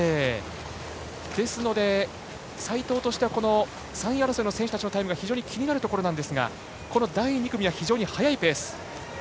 ですので、齋藤としては３位争いの選手のタイムが非常に気になるところですがこの第２組は非常に速いペース。